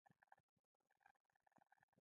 نرم شی تر ډیره پاتې کیږي.